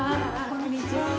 こんにちは。